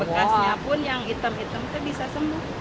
bekasnya pun yang hitam hitam itu bisa sembuh